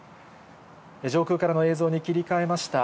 上空からの映像に切り替えました。